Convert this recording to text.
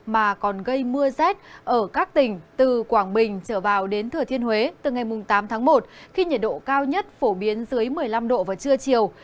mà còn gây mưa rét ở các tỉnh từ quảng bình trở vào đến thừa thiên huế từ ngày tám tháng một khi nhiệt độ cao nhất phổ biến dưới một mươi năm độ vào trưa chiều